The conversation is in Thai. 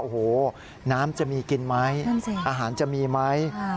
โอ้โหน้ำจะมีกินไหมอาหารจะมีไหม